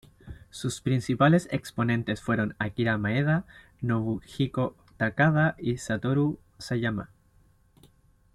Sus principales exponentes fueron Akira Maeda, Nobuhiko Takada y Satoru Sayama.